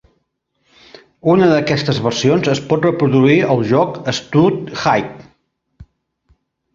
Una d"aquestes versions es pot reproduir al joc Stud high.